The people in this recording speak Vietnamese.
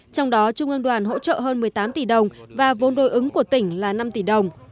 trong đó trung ương đoàn hỗ trợ hơn một mươi tám tỷ đồng và vốn đối ứng của tỉnh là năm tỷ đồng